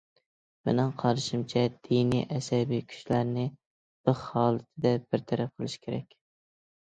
مېنىڭ قارىشىمچە، دىنىي ئەسەبىي كۈچلەرنى بىخ ھالىتىدە بىر تەرەپ قىلىش كېرەك.